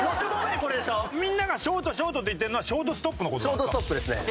みんながショートショートって言ってるのはショートストップの事なんですか？